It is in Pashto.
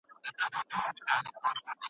که همکاري وي نو کار نه درېږي.